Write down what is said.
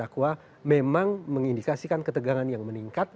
bahwa memang mengindikasikan ketegangan yang meningkat